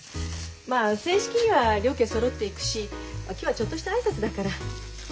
まあ正式には両家そろって行くし今日はちょっとした挨拶だから。